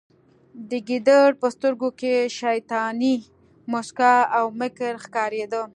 د ګیدړ په سترګو کې شیطاني موسکا او مکر ښکاریده